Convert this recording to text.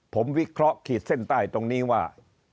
ผมวิเคราะห์ขีดเส้นใต้ตรงนี้ว่า